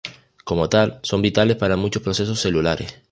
Como tal, son vitales para muchos procesos celulares.